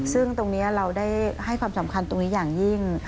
ซึ่งตรงนี้เราได้ให้ความสำคัญตรงนี้อย่างยิ่ง